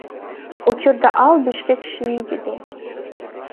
Учурда ал Бишкек ШИИБде.